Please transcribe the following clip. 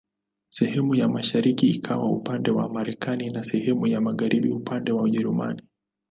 Sehemu ya mashariki ikawa upande wa Marekani na sehemu ya magharibi upande wa Ujerumani.